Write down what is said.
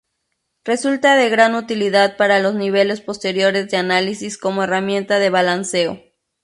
Resulta de gran utilidad para los niveles posteriores de análisis como herramienta de balanceo.